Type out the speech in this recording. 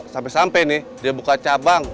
sampai sampai nih dia buka cabang